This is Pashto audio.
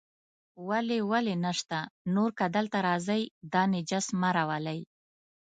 ولې ولې نشته، نور که دلته راځئ، دا نجس مه راولئ.